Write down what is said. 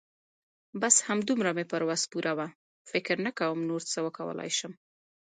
بس همدومره مې پر وس پوره وه. فکر نه کوم نور څه وکولای شم.